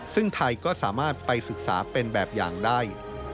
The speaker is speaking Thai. ซึ่งไทยก็สามารถไปศึกษาเป็นแบบอย่างได้